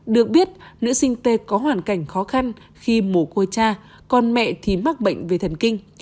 được biết nữ sinh tê có hoàn cảnh khó khăn khi mồ côi cha con mẹ thì mắc bệnh về thần kinh